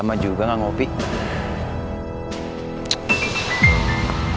berbual di mi